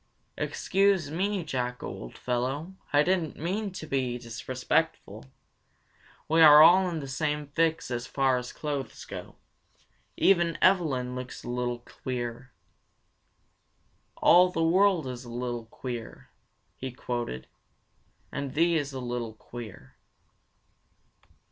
"Excuse me, Jack, old fellow, I didn't mean to be disrespectful. We are all in the same fix as far as clothes go. Even Evelyn looks a little queer. 'All the world is a little queer,' he quoted, 'and thee is a little queer.'"